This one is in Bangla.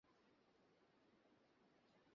তাহারা মনে করে, আমি গেলে তাহারা বেশী কাজ করিতে পারিবে।